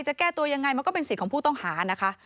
จะแก้ตัวยังไงมันก็เป็นสิทธิ์ของผู้ต้องหานะคะ